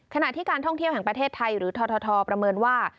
ขณะที่การท่องเที่ยวแห่งประเทศไทยหรือททประเมินว่า